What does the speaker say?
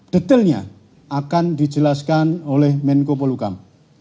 detailnya akan dijelaskan oleh menko polukam